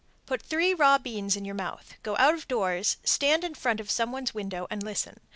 Put three raw beans in your mouth, go out of doors, stand in front of some one's window and listen.